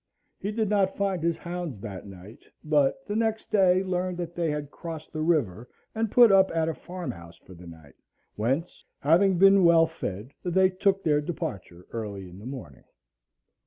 He did not find his hounds that night, but the next day learned that they had crossed the river and put up at a farm house for the night, whence, having been well fed, they took their departure early in the morning.